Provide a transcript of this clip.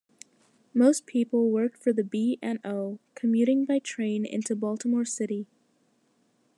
Most people worked for the B and O, commuting by train into Baltimore City.